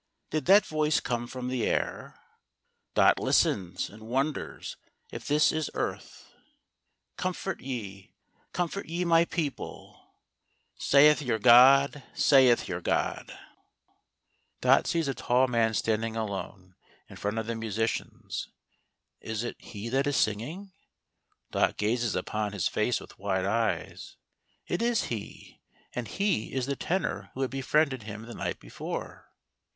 Did that voice come from the air ? Dot listens and wonders if this is earth :" Comfort ye, comfort ye my people, saith your God, salt h your Godd* 24 HOW DOT HEARD " THE MESSIAH. Dot sees a tall man standing alone — in front of the musicians — is it he that is singing.^ Dot gazes upon his face with wide eyes. It is he — and he is the Tenor who had befriended him the night before.